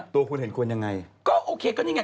ตัวคุณเห็นควรยังไง